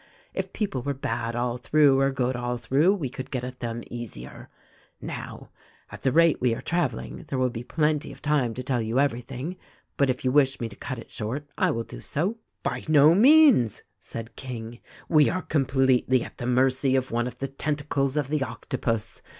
If people were bad all through or good all through, we could get at them easier. "Now, at the rate we are traveling, there will be plenty of time to tell you everything, but if you wish me to cut it short, I will do so." "By no means," said King. "We are completely at the mercy of one of the tentacles of the Octopus.